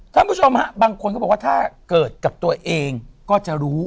ท่านผู้ชมฮะบางคนก็บอกว่าถ้าเกิดกับตัวเองก็จะรู้